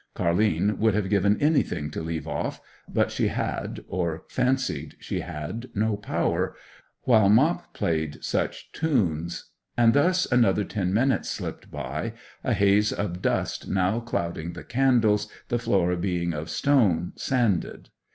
Car'line would have given anything to leave off; but she had, or fancied she had, no power, while Mop played such tunes; and thus another ten minutes slipped by, a haze of dust now clouding the candles, the floor being of stone, sanded.